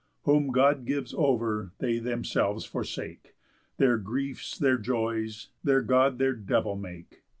_Whom God gives over they themselves forsake, Their griefs their joys, their God their devil, make.